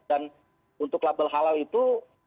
dan untuk label halal itu